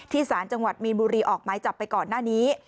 สารจังหวัดมีนบุรีออกไม้จับไปก่อนหน้านี้